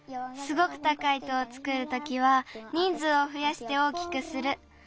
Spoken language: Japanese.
すごくたかい塔をつくるときは人ずうをふやして大きくする。